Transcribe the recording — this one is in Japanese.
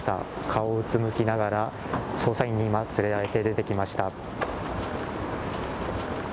顔をうつむきながら、捜査員に今連れられて出てきました。